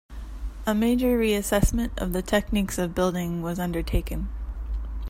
A major re-assessment of the techniques of building was undertaken.